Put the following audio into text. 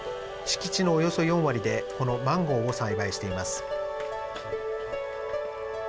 敷地のおよそ４割でこのマンゴーを栽培しています。